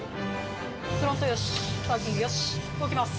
フロントよし、パーキングよし、動きます。